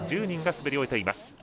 １０人が滑り終えています。